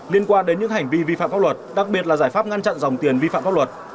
liên quan đến những hành vi vi phạm pháp luật đặc biệt là giải pháp ngăn chặn dòng tiền vi phạm pháp luật